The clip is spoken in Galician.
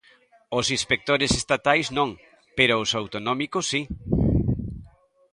Os inspectores estatais, non; pero os autonómicos, si.